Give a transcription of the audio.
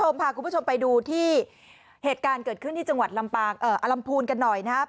กลับไปดูเหตุการณ์เกิดขึ้นในจังหวัดลำพูนกันหน่อยนะครับ